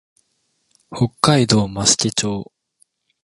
北海道増毛町